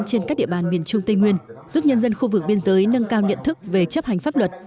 trên các địa bàn miền trung tây nguyên giúp nhân dân khu vực biên giới nâng cao nhận thức về chấp hành pháp luật